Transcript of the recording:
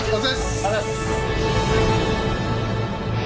ありがとうございます。